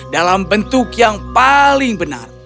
dalam bentuk yang paling benar